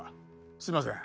すみません